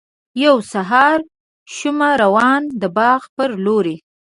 یو سهار شومه روان د باغ پر لوري.